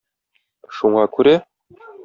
Шуңа күрә...